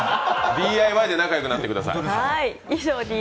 ＤＩＹで仲良くなってください。